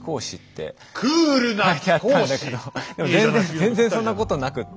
全然そんなことなくって。